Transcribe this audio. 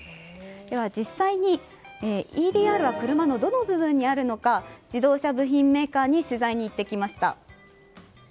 では、実際にＥＤＲは車のどの部分にあるのか自動車部品メーカーに取材に行ってきました。